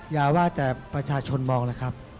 อย่าว่าแต่ประชาชนมองนะครับ